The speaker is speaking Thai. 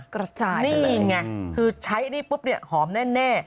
กระจายไปเลยนี่ไงคือใช้นี่ปุ๊บหอมแน่